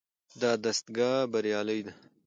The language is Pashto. دا دستګاه بریالۍ ده.